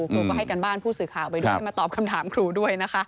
ครูก็ให้การบ้านผู้สื่อข่าวไปด้วยมาตอบคำถามครูด้วยนะคะ